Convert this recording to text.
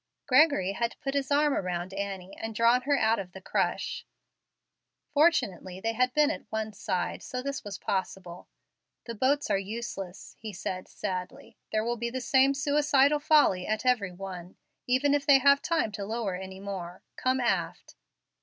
Gregory had put his arm around Annie and drawn her out of the crush. Fortunately they had been at one side, so that this was possible. "The boats are useless," he said, sadly. "There will be the same suicidal folly at every one, even if they have time to lower any more. Come aft.